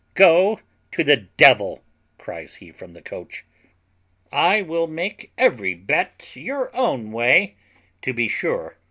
"Go to the devil," cries he from the coach: "I will make every bett your own way, to be sure!